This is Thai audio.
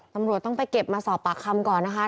ตำรวจต้องไปเก็บมาสอบปากคำก่อนนะคะ